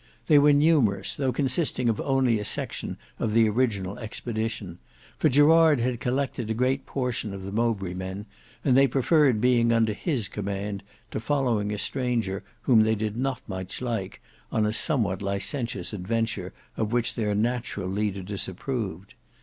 They were numerous, though consisting of only a section of the original expedition, for Gerard had collected a great portion of the Mowbray men, and they preferred being under his command to following a stranger whom they did not much like on a somewhat licentious adventure of which their natural leader disapproved.